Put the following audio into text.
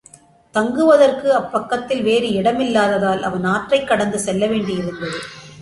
தங்குவதற்கு அப்பக்கத்தில் வேறு இடமில்லாததால், அவன் ஆற்றைக்கடந்து செல்லவேண்டியிருந்தது.